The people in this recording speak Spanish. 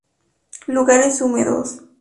Lugares húmedos.